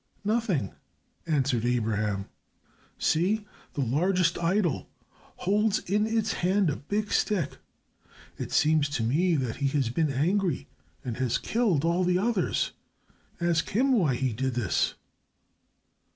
Nothing," answered Abraham. "See, the largest idol holds in its hand a big stick. It seems to me that he has been angry and has killed all the others. Ask him why he did this."